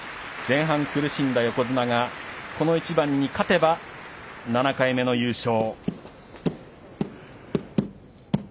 前半苦しんだ横綱が、この一番に勝てば７回目の優勝。